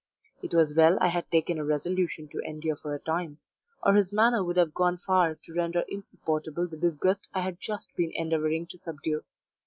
It was well I had taken a resolution to endure for a time, or his manner would have gone far to render insupportable the disgust I had just been endeavouring to subdue.